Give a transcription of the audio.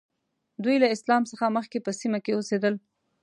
دوی له اسلام څخه مخکې په سیمه کې اوسېدل.